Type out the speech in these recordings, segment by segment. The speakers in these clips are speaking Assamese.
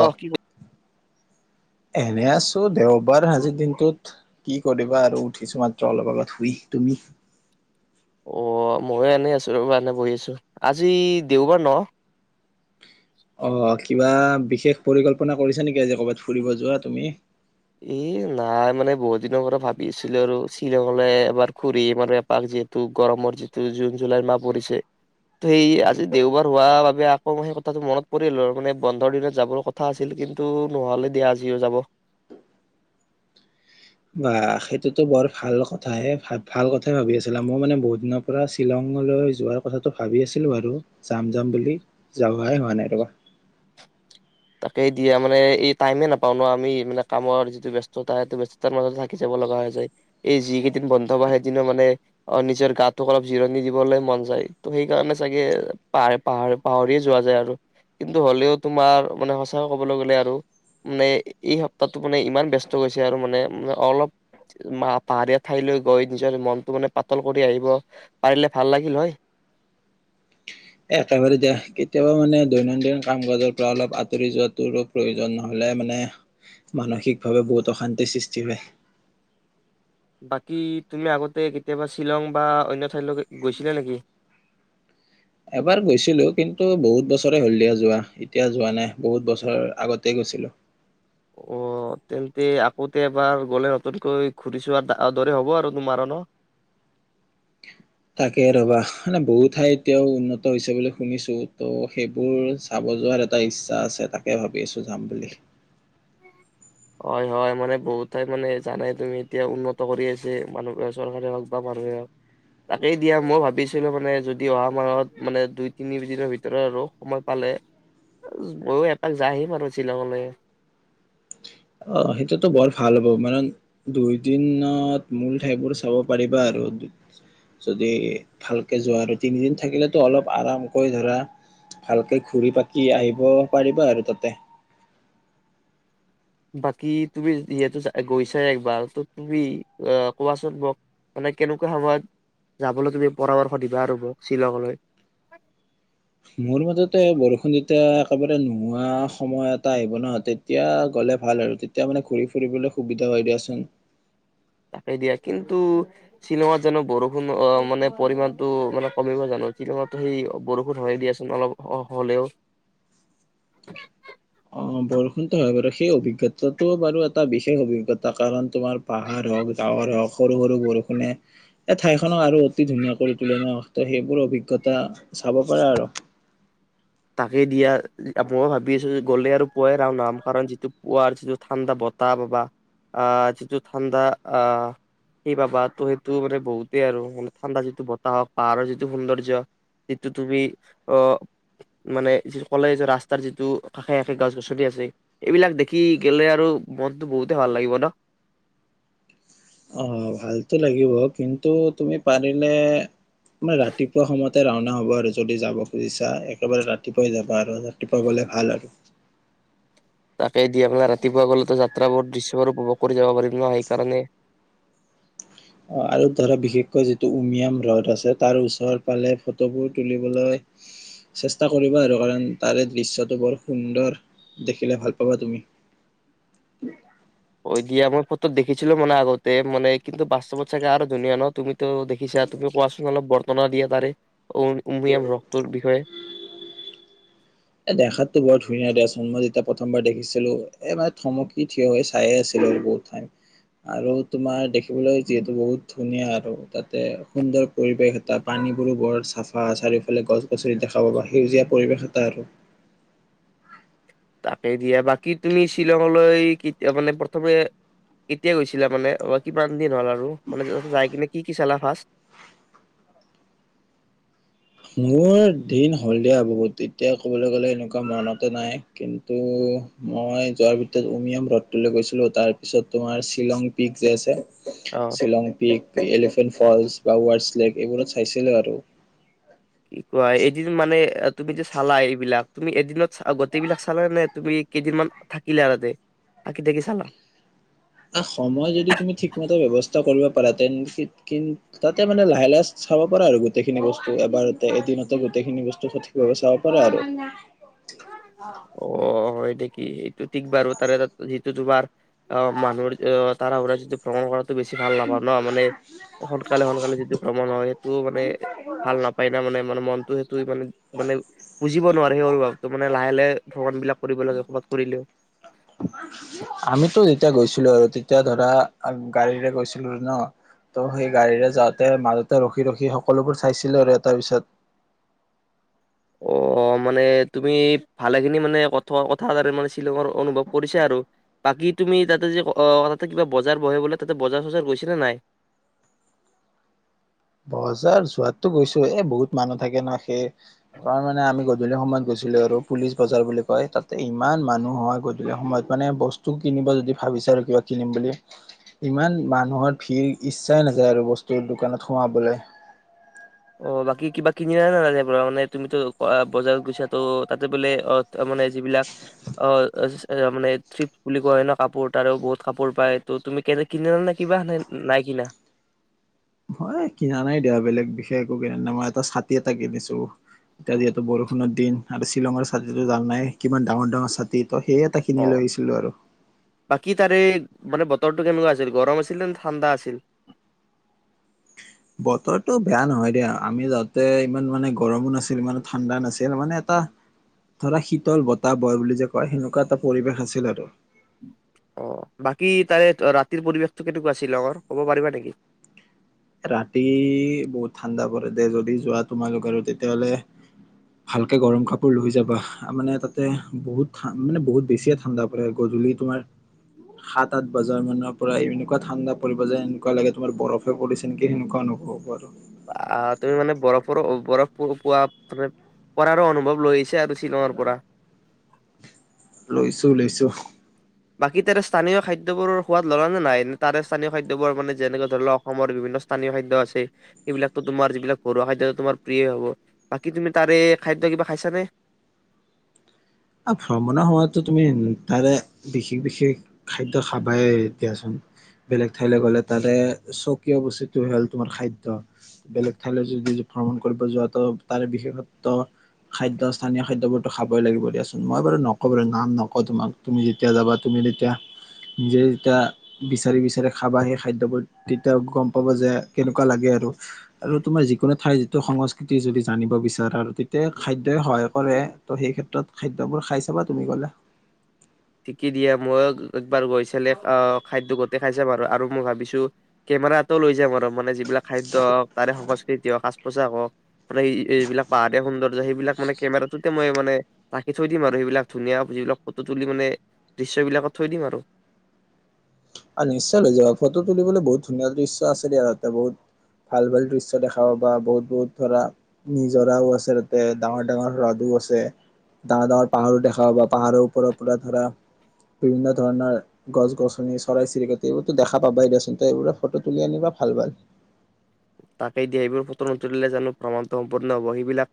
অ' কি এনে আছোঁ। দেওবাৰ আজিৰ দিনটোত কি কৰিবা আৰু? উঠিছোঁ মাত্ৰ, অলপ আগত শুই । তুমি অ' ময়ো এনেই আছোঁ ৰবা, এনে বহি আছোঁ ।আজি দেওবাৰ ন'? অ কিবা বিশেষ পৰিকল্পনা কৰিছা নেকি? আজি ক'বাত ফুৰিব যোৱা তুমি? এ নাই, মানে বহুত দিনৰ পৰা ভাবি আছিলোঁ আৰু শ্বিলঙলৈ এবাৰ খুৰিম আৰু এপাক যিহেতু গৰমৰ যিটো জুন- জুলাইৰ মাহ পৰিছে । তো সেই আজি দেওবাৰ হোৱা বাবে, আকৌ সেই কথাটো মনত পৰিল । আৰু মানে বন্ধৰ দিনত যাবৰ কথা আছিল । কিন্তু নহলে দিয়া, আজিও যাব। বা, সেইটোতো বৰ ভাল কথাহে। ভ- ভাল কথাই ভাবি আছিলা। মই মানে বহুত দিনৰ পৰা শ্বিলঙলৈ যোৱাৰ কথাটো ভাবি আছিলোঁ বাৰু। যাম - যাম বুলি, যাৱাই হোৱা নাই ৰবা। তাকে দিয়া । মানে এই টাইমে নাপাওঁ ন আমি? মানে কামৰ যিটো ব্যস্ততা, সেইটো ব্যস্ততাৰ মাজতে থাকি যাব লগা হৈ যায় । এই যি কেইদিন বন্ধ পাওঁ, সেইদিনো মানে, অ'- নিজৰ গাতোক অলপ জিৰণি দিবলৈ মন যায় । তো সেইকাৰণে চাগে পাৰ- পাৰ- পাহৰিয়ে যোৱা যায় আৰু । কিন্তু হলেও তোমাৰ মানে সঁচাকৈ কবলৈ গ'লে আৰু । মানে এই সপ্তাহটো মানে ইমান ব্যস্ত গৈছে আৰু মানে, অলপ মা- পাহাৰীয়া ঠাইলৈ গৈ নিজৰ মনটো মানে পাতল কৰি আহিব পাৰিলে ভাল লাগিল হয়। একেবাৰে দিয়া । কেতিয়াবা মানে দৈনন্দিন কাম-কাজৰ পৰা অলপ আঁতৰি যোৱাটোৰো প্ৰয়োজন। নহ'লে মানে, মানসিকভাৱে বহুত অশান্তিৰ সৃষ্টি হয়। বাকী তুমি আগতে কেতিয়াবা শ্বিলং বা অন্য ঠাইলৈকে গৈছিলা নেকি? এবাৰ গৈছিলোঁ । কিন্তু বহুত বছৰে হ'ল দিয়া যোৱা । এতিয়া যোৱা নাই । বহুত বছৰ আগতে গৈছিলোঁ । অ' তেন্তে আকৌতে এবাৰ গ'লে, নতুনকৈ ঘুৰি চোৱাৰ দৰে হ'ব আৰু তোমাৰো ন'? তাকে ৰবা । মানে বহু ঠাই এতিয়াও উন্নত হৈছে বুলি শুনিছোঁ । তো সেইবোৰ চাব যোৱাৰ এটা ইচ্ছা আছে । তাকে ভাবি আছোঁ যাম বুলি। হয় - হয় । মানে বহুত ঠাইত মানে জানাই তুমি, এতিয়া উন্নত কৰি আছে । মানুহ- চৰকাৰে হওঁক বা মানুহে হওঁক । তাকেই দিয়া মই ভাবিছিলোঁ মানে, যদি অহা মাহত মানে দুই তিনি দিনৰ ভিতৰত আৰু, সময় পালে, ময়ো এপাক যাই আহিম আৰু শ্বিলঙলে। অ' সেইটোতো বৰ ভাল হ'ব । মান দুই দিনত মূল ঠাইবোৰ চাব পাৰিবা আৰু । যদি ভালকে যোৱা আৰু। তিনিদিন থাকিলেতো অলপ আৰামকৈ ধৰা, ভালকে ঘুৰি পাকি আহিব পাৰিবা আৰু তাতে। বাকী তুমি যিহেতু গৈছায়ে একবাৰ । তো তুমি অ'- কোৱাচোন মোক । মানে কেনেকুৱা সময়ত যাবলৈ তুমি পৰামৰ্শ দিবা আৰু মোক? শ্বিলংলৈ? মোৰ মতেতো এই বৰষুণ যেতিয়া একেবাৰে নোহোৱা সময় এটা আহিব নহয়, তেতিয়া গ'লে ভাল আৰু । তেতিয়া মানে ঘূৰি ফুৰিবলৈ সুবিধা হয় দিয়াচোন। তাকেই দিয়া । কিন্তু শ্বিলঙত জানো বৰষুণ অ'- মানে পৰিমণটো মানে কমিব জানো? শ্বিলঙতো সেই বৰষুণ হয়ে দিয়াচোন, অলপ হ'লেও। অ' বৰষুণতো হয় বাৰু । সেই অভিজ্ঞতাটো বাৰু এটা বিশেষ অভিজ্ঞতা, কাৰণ তোমাৰ পাহাৰ হওঁক, ডাৱৰ হওঁক, সৰু - সৰু বৰষুণে এই ঠাইখনক আৰু অতি ধুনীয়া কৰি তোলে না? তো সেইবোৰ অভিজ্ঞতা চাব পাৰা আৰু। তাকেই দিয়া । মই ভাবি আছোঁ, গ'লে আৰু পুৱাই ৰাওনা হম। কাৰণ যিটো পুৱাৰ যিটো ঠাণ্ডা বতাহ পাবা, অ'- যিটো ঠাণ্ডা, অ'- সেই পাবা, তো সেইটো মানে বহুতেই আৰু, মানে ঠাণ্ডা যিটো বতাহ হওঁক, পাহাৰৰ যিটো সৌন্দৰ্য্য, সিটো তুমি অ'- মানে যিটো ক'লে যে ৰাস্তাৰ যিটো কাষে - কাষে গছগছনি আছে, এইবিলাক দেখি গেলে আৰু মনটো বহুতেই ভাল লাগিব ন'? অ' ভালতো লাগিব । কিন্তু তুমি পাৰিলে মানে ৰাতিপুৱা সময়তে ৰাওনা হবা আৰু, যদি যাব খুজিছা । একেবাৰে ৰাতিপুৱাই যাবা আৰু। ৰাতিপুৱা গ'লে ভাল আৰু। তাকে দিয়া। আপোনাৰ ৰাতিপুৱা গ'লেতো যাত্ৰা বহু- দৃশ্য আৰু বহু যাব পাৰিম ন', সেই কাৰণে। অ' আৰু ধৰা বিশেষকৈ যিটো উমিয়াম হ্ৰদ আছে, তাৰ ওচৰ পালে ফটোবোৰ তুলিবলৈ চেষ্টা কৰিবা আৰু । কাৰণ তাৰে দৃশ্যটো বৰ সুন্দৰ । দেখিলে ভাল পাবা তুমি। হৈ দিয়া । মই ফটোত দেখিছিলোঁ মানে আগতে, মানে । কিন্তু বাস্তৱত চাগে আৰু ধুনীয়া ন'? তুমিতো দেখিছা । তুমি কোৱাচোন অলপ বৰ্তনা দিয়া তাৰে, উ- উমিয়াম হ্ৰকটোৰ বিষয়ে। এ দেখাততো বৰ ধুনীয়া দেচোন । মই যেতিয়া প্ৰথমবাৰ দেখিছিলোঁ, এ মানে থমকি থিয় হৈ চায়ে আছিলোঁ আৰু বহুত টাইম। আৰু তোমাৰ দে কৰিবলৈ যিহেতু বহুত ধুনীয়া আৰু তাতে সুন্দৰ পৰিৱেশ এটা, পানীবোৰো বৰ চাফা, চাৰিওফালে গছগছনি দেখা পাবা, সেউজীয়া পৰিৱেশ এটা আৰু। তাকে দিয়া । বাকী তুমি শ্বিলঙলৈ কেতিয়া- মানে প্ৰথমে কেতিয়া গৈছিলা মানে? অ'- কিমান হ'ল আৰু । কলেজত যাই কিনে কি কি চালা? ফাঁষ্ট মোৰ দিন হ'ল দেবহুত এতিয়া ক'বলৈ গলে এনেকুৱা মনতে নাই কিন্তু মই যোৱাৰ ভিতৰত উমিয়াম ৰদটোলৈ গৈছিলো তাৰ পিছত তোমাৰ শ্বিলং পিক যে আছে? অ শ্বিলং পিক এলিফেণ্ট ফলচ। বাহুছ্লেগ এইবোৰত চাইছিলো আৰু। কি কোৱা এইদিন মানে। তুমি যে চালা এইবিলাক তুমি এদিনত গোটবিলাক চালা নে তুমি কেইদিনমান থাকিলা আৰুতে থাকি থাকি চালা। আহ সময় যদি তুমি ঠিকমতে ব্যাৱস্থা কৰিব পাৰা তেন্তে কিন্ত তাতে মানে লাহে লাহে চাব পাৰা আৰু গোটেইখিনি বস্তু এবাৰতে এদিনতে গোটেইখিনি বস্তু সঠিকভাৱে চাব পাৰা আৰু। অ হয় নেকি? এটো ঠিক বাৰু তাৰে তাত যিটো তোমাৰ অ মানুহৰ তাৰ সুৰা যিটো ভ্ৰমণ কৰা। বেছি ভাল নাপাওঁ ন মানে সোনকালে সোনকালে যিটো ভ্ৰমণ হয় সেইটো মানে ভাল নাপায় না মানে মানে মন। টো সেইটো মানে মানে বুজিব নোৱাৰে সিহৰ বাবে বুজিব নোৱাৰে মানে লাহে লাহে। ভ্ৰমণ বিলাক কৰিব লাগে ক'ৰবাত কৰিলেও আমিতো এতিয়া গৈছিলো আৰু তেয়া। এতিয়া ধৰা গাড়ীৰে গৈছিলো ন ত' সেই গাড়ীৰে যাওঁতে মাজতে ৰখি ৰখি সকলোবোৰ চাইছিলো আৰু এ তাৰ পিছত। আহ মানে তুমি ভালেখিনি মানে কথা কথা তাৰে মানে শ্বিলঙৰ অনুভৱ কৰিছা আৰু বাকী তুমি তাতে যে তাতে কিবা বজাৰ বহে বোলে তাতে বজাৰ চজাৰ গৈছে নাই? বজাৰ যোৱাতো গৈছো এ বহুত মানুহ থাকে ন সেই। তাৰ মানে আমি গোটে। গধূলি সময়ত গৈছিলো আৰু পুলিচ বজাৰ বুলি কয় তাতে ইমান মানুহ হয় গধূলি সময়ত মানে বস্তু কিনিব যদি ভাবিছে আৰু কিবা কিনিম বুলি ইমান মানুহৰ ভিৰ ইচ্ছাই নাযায় আৰু বস্তুৰ দোকানত। সোমাবলৈ? অ বাকী কিবা কিনি আনা নে নানা ত পৰা মানে তুমিতো বজাৰত গৈছা তো তাতে বোলে মানে যিবিলাক অ মানে থিপ বুলি কোৱা হয় ন কাপোৰ তাৰো বহুত কাপোৰ পায় ত তুমি কেনে কিনি নে কিবা নাই কিনা? হয় কিনা নাই দিয়া বেলেগ বিশেষ একো কিনে মই এটা ছাতি এটা কিনিছো এতিয়া যিহেতু বৰষুণৰ দিন আৰু শ্বিলঙৰ ছাতিতো জান নাই কিমান ডাঙৰ ডাঙৰ ছাতিত। তো সেই এটা অ খিনি লৈ আহিছিলো আৰু। বাকী তাৰে মানে বতৰটো কেনেকুৱা আছিল গৰম আছিল নে ঠাণ্ডা আছিল? বতৰটো বেয়া নহয় দিয়া আমি যাওঁতে ইমান মানে গৰমো নাছিল ইমানে ঠাণ্ডা নাছিল মানে এটা ধৰা শীতল বতাহ বয়ে বুলি যে কয় সেনেকুৱা এটা পৰিৱেশ আছিল আৰু। অ বাকী তাৰে ৰাতিৰ পৰিৱেশতটো কেনেকুৱা আছিল শ্বিলঙৰ ক'ব পাৰিবা নেকি? ৰাতি বহুত ঠাণ্ডা পৰে দে যদি যোৱা তোমালোক আৰু তেতিয়াাহলে ভালকে গৰম কাপোৰ লৈ যাবা মানে তাতে বহুত মানে বহুত বেছিয়ে ঠাণ্ডা পৰে গধূলি তোমাৰ সাত আঠ বজাৰ মানৰ পৰা এনেকুৱা ঠাণ্ডা পৰিব যে এনেকুৱা লাগে তোমাৰ বৰফে পৰিছে? হেনেকুৱা অনুভৱ কৰ। আহ তুমি মানে বৰফৰো বৰফ পোৱা মানে পৰাৰো অনুভৱ লৈ আহছে আৰু শ্বিলঙৰ পৰা। লৈছো লৈছো? বাকী তাৰে স্থানীয় খাদ্যবোৰ সোৱাদ ল'লা নে নাই তাৰে স্থানীয় খাদ্যবোৰ মানে যেনেকে ধৰি ল অসমৰ বিভিন্ন স্থানীয় খাদ্য আছে সেইবিলাকো তোমাৰ যিবিলাক ঘৰুৱা খাদ্য তোমাৰ প্ৰিয়ে হব বাকী তুমি তাৰে খাদ্য কিবা খাইছানে? ভ্ৰমণৰ সময়তো তুমি তাৰে বিশেষ বিশেষ খাদ্য খাবাই দিয়াচোন, বেলেগ ঠাইলৈ গলে তাৰে স্বকীয় বস্তুটো হল তোমাৰ খাদ্য। বেলেগ ঠাইলৈ যদি ভ্ৰমণ কৰিব যোৱাতো তাৰে বিশেষত্ব খাদ্য স্থানীয় খাদ্য বোৰতো খাবই লাগিব দিয়াচোন। মই বাৰু নকওঁ বাৰু নাম নকওঁ, তোমাক তুমি যেতিয়া যাবা তুমি তেতিয়া নিজে যেতিয়া বিচাৰি বিচাৰি খাবা। সেই খাদ্যবোৰ তেতিয়া গম পাব যে। কেনেকুৱা লাগে আৰু আৰু তোমাৰ যিকোনো ঠাই। সংস্কৃতি যদি জানিব বিচাৰে আৰু তেতিয়া খাদ্যই সহায় কৰে ত' সেই ক্ষেত্ৰত খাদ্যবোৰ খাই চাবা তুমি গ'লে। ঠিকে দিয়ে মই একবাৰ গৈ চালে আহ খাদ্য গোতে খাই চাম আৰু, আৰু মই ভাবিছো কেমেৰাতো লৈ যাম আৰু মানে যিবিলাক খাদ্য তাৰে সংকজ তেতিয়াও সাজ-পোছাক হও, মানে এইবিলাক পাহাৰীয়া সৌন্দৰ্য সেইবিলাক মানে কেমেৰাটোতে মই মানে ৰাখি থৈ দিম আৰু সেইবিলাক ধুনীয়া যিবিলাক ফটো তুলি মানে দৃশ্য বিলাকত থৈ দিম আৰু অ নিশ্চয় লৈ যাব ফটো তুলিবলৈ বহুত ধুনীয়া দৃশ্য আছে দিয়া তাতে বহুত ভাল ভাল দৃশ্য দেখা পাবা, বহুত বহুত ধৰা নিজৰাও আছে তাতে, ডাঙৰ ডাঙৰ হ্ৰদো আছে, ডাঙৰ ডাঙৰ পাহাৰো দেখা পাবা, পাহাৰৰ ওপৰৰ পৰা ধৰা বিভিন্ন ধৰণৰ গছ গছনি চৰাই চিৰিকটিও, এইটো দেখা পাবাই দিয়াচোন দিয়া এইবোৰত ফটো তুলি আনিবা ভাল ভাল। তাকে দিয়ে এইবোৰ ফটো নুতুলিলে জানো ভ্ৰমণটো সম্পূৰ্ন হব, সিবিলাক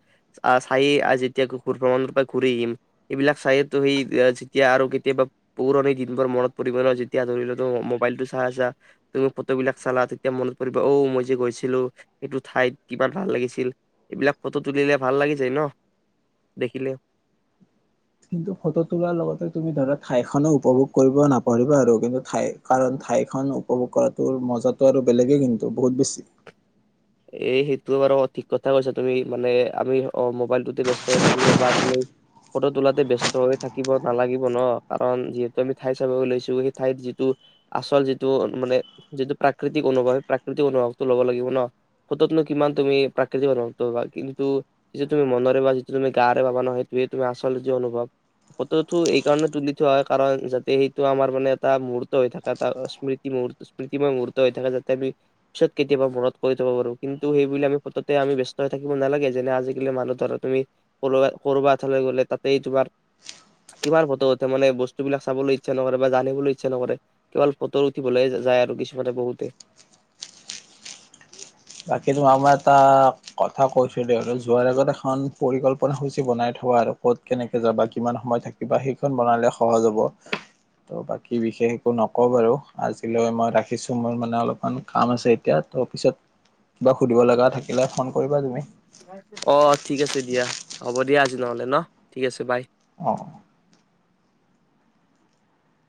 চায়েই যেতিয়া ঘুৰ ভ্ৰমণৰ পৰা ঘূৰি আহিম, এইবিলাক চায়েতো সেই যেতিয়া আৰু কেতিয়াবা পুৰণি দিনবোৰ মনত পৰিব ন যেতিয়া ধৰি ল মোবাইলতটো চায় তুমি ফটোবলাক চালা তেতিয়া মনত পৰিব ঔ' মই যে গৈছো সেইটো ঠাইত কিমান ভাল লাগিছিল। এইবিলাক ফটো তুলিলে ভাল লাগি যায় ন, দেখিলে কিন্তু ফটো তোলাৰ লগতে তুমি ধৰা ঠাইখনো উপভোগ কৰিব নাপৰিবা আৰু কিন্তু ঠাই কাৰণ ঠাইখন উপভোগ কৰাটো মজাটো আৰু বেলেগেই কিন্তু বহুত বেছি এ সেইটো বাৰু ঠিক কথা কৈছা তুমি মানে আমি অ মোবাইলটোতে ব্যস্ত হৈ থাকিব বা তুমি ফটো তোলাতে ব্স্ত হৈ থাকিব নালাগিব ন, কাৰণ যিহেতু আমি ঠাই চাব লৈছো সেই ঠাইত যিটো আচল যিটো মানে যিটো প্ৰাকৃতিক অনুভৱ সেই প্ৰাকৃতিক অনুভৱটো ল'ব লাগিব ন। ফটোতনো কিমান তুমি প্ৰাকৃতিক অনুভবটো পাবা কিন্তু যিটো তুমি মনেৰে বা যিটো তুমি গাৰে পাবা ন সেইটোৱে তুমি আচল যে অনুভৱ, ফটোটো এই কাৰণে তুলি থোৱা হয় কাৰণ যাতে সেইটো আমাৰ মানে এটা মুহূৰ্ত হৈ থাকা এটা স্মৃতি-স্মৃতিময় মুহূৰ্ত হৈ থাকে যাতে আমি পিছত কেতিয়াবা মনত কৰি থব পাৰো। কিন্তু সেইবোলি আমি ফটোতে আমি ব্যস্ত হৈ থাকিব নালাগে, যেনে আজিকালি মানুহ ধৰা তুমি কৰ-কৰবা এঠাইলৈ গ'লে তাতেই তোমাৰ কিমান ফটো উঠে মানে বস্তুবিলাক চাবলৈ ইচ্ছা নকৰে বা জানিবলৈ ইচ্ছা নকৰে কেৱল ফটো উঠিবলৈ যায় আৰু কিছুমানে বহুতে। বাকী তোমাক মই এটা কথা কৈছিলো আৰু যোৱাৰ আগত এখন পৰিকল্পনা সূচী বনাই থবা আৰু ক'ত কেনেকে যাবা কিমান সময় থাকিবা সেইখন বনালে সহজ হ'ব তহ বাকী বিশেষ একো নকও বাৰু, আজিলৈ মই ৰাখিছো মোৰ মানে অলপমান কাম আছে এতিয়া তহ পিছত কিবা সুধিব লগা থাকিলে ফোন কৰিবা তুমি। অ ঠিক আছে দিয়া, হ'ব দিয়া আজি নহলে ন ঠিক আছে বাই। অঁ।